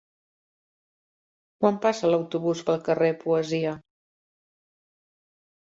Quan passa l'autobús pel carrer Poesia?